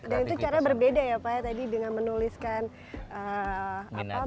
dan itu cara berbeda ya pak ya tadi dengan menuliskan minatnya